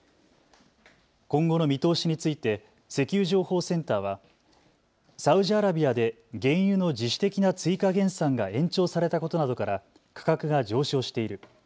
今後の見通しについて石油情報センターはサウジアラビアで原油の自主的な追加減産が延長されたことなどから価格が上昇している。